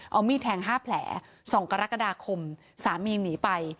เอามีแทงห้าแผลส่องกรกฎาคมสามีหนีไป